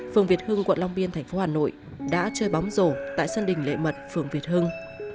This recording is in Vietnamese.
phường việt hưng quận long biên thành phố hà nội đã chơi bóng rổ tại sân đỉnh lệ mật phường việt hưng